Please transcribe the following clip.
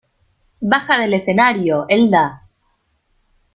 ¡Baja del escenario, Elda!